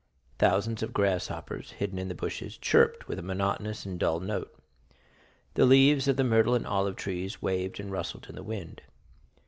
Thousands of grasshoppers, hidden in the bushes, chirped with a monotonous and dull note; the leaves of the myrtle and olive trees waved and rustled in the wind.